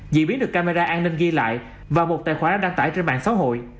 dị biến được camera an ninh ghi lại và một tài khoản đăng tải trên bàn xã hội